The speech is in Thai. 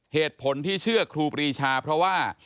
เหตุผลที่เชื่อครูปรีชาเพราะว่า